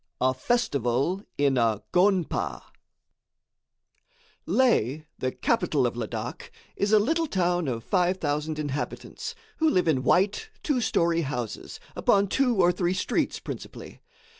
A Festival in a Gonpa Leh, the capital of Ladak, is a little town of 5,000 inhabitants, who live in white, two story houses, upon two or three streets, principally.